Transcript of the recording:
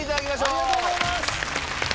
ありがとうございます！